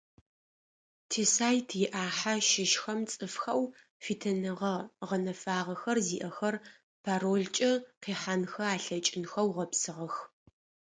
Тисайт иӏахьэ щыщхэм цӏыфхэу фитыныгъэ гъэнэфагъэхэр зиӏэхэр паролкӏэ къихьэнхэ алъэкӏынхэу гъэпсыгъэх.